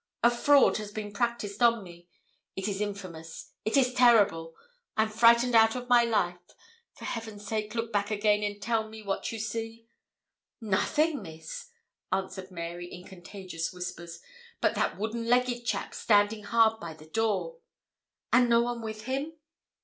A fraud has been practised on me it is infamous it is terrible. I'm frightened out of my life. For heaven's sake, look back again, and tell me what you see.' 'Nothing, Miss,' answered Mary, in contagious whispers, 'but that wooden legged chap, standin' hard by the door.' 'And no one with him?'